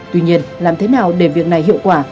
tuy nhiên làm thế nào để việc này hiệu quả